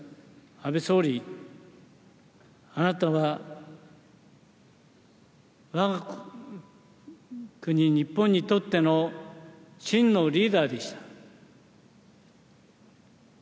安倍総理、あなたはわが国日本にとっての、真のリーダーでした。